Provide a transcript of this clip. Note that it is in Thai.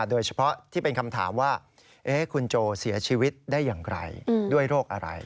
โดยเฉพาะที่เป็นคำถามว่าคุณโจเสียชีวิตได้อย่างไรด้วยโรคอะไร